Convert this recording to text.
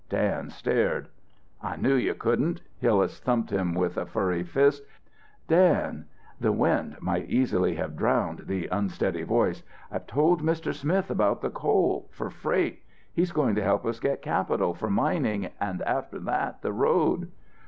Dan stared. "I knew you couldn't!" Hillas thumped him with furry fist. "Dan," the wind might easily have drowned the unsteady voice, "I've told Mr. Smith about the coal for freight. He's going to help us get capital for mining and after that the road."